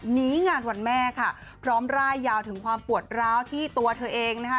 งานวันแม่ค่ะพร้อมร่ายยาวถึงความปวดร้าวที่ตัวเธอเองนะคะ